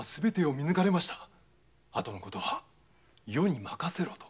「あとのことは余に任せろ」と。